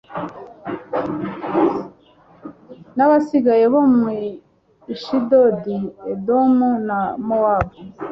N abasigaye bo mu ashidodi edomu na mowabu